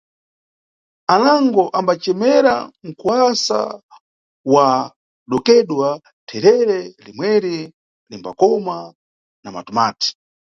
Anango ambacemera nkuwasa wa dokedwa, therere limweri limbakoma na matumati.